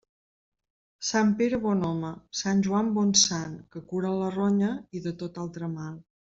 Sant Pere bon home, sant Joan bon sant, que curen la ronya i de tot altre mal.